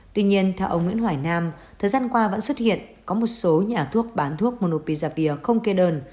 tuy nhiên theo ông nguyễn hoài nam thời gian qua vẫn xuất hiện có một số nhà thuốc bán thuốc monopizavir không kê đơn